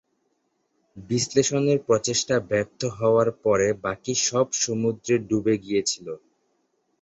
বিশ্লেষণের প্রচেষ্টা ব্যর্থ হওয়ার পরে বাকি সব সমুদ্রে ডুবে গিয়েছিল।